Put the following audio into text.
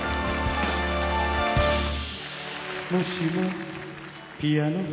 「もしもピアノが」